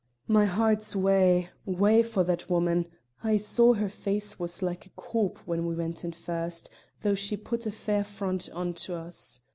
My heart's wae, wae for that woman; I saw her face was like a corp when we went in first, though she put a fair front on to us.